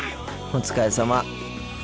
お疲れさま。